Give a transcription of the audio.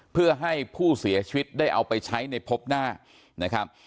เพื่อให้ผู้เสียชีวิตได้เอาไปใช้ในพบหน้านะครับ